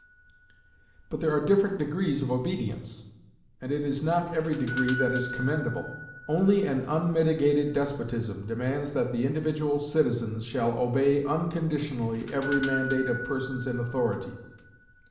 But there are different degrees of obedience, and it is not every degree that is commendable. Only an unmitigated despotism demands that the individual citizen shall obey unconditionally every mandate of persons in authority.